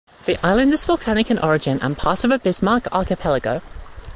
The island is volcanic in origin and part of the Bismarck Archipelago.